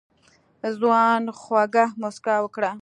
ځوان خوږه موسکا وکړه.